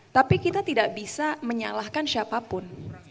tapi kita tidak bisa menyalahkan siapapun